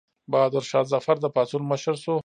بهادر شاه ظفر د پاڅون مشر شو.